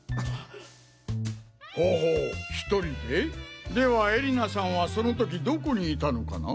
ほほう１人ででは絵里菜さんはそのときどこにいたのかな？